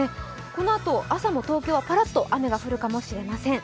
このあと、朝も東京はぱらっと雨が降るかもしれません。